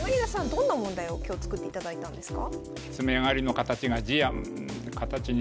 どんな問題を今日作っていただいたんですか？